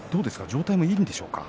状態もいいんでしょうか。